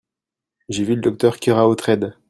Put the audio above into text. J'ai vu le docteur Keraotred.